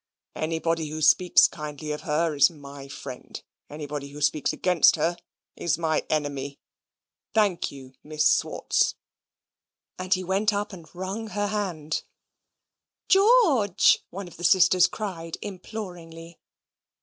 Anybody who speaks kindly of her is my friend; anybody who speaks against her is my enemy. Thank you, Miss Swartz"; and he went up and wrung her hand. "George! George!" one of the sisters cried imploringly.